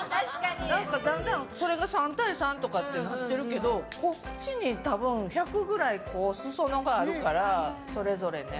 だんだんそれが３対３になってるけどこっちに多分１００くらい裾野があるからそれぞれね。